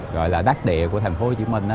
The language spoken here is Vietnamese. gọi là đắt địa của thành phố hồ chí minh